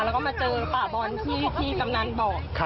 แล้วก็มาเจอป่าบอลที่กำนันบอก